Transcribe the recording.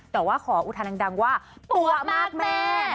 แต่ว่าขออุทานดังว่าปั๊วมากแม่